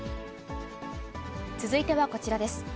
続いてはこちらです。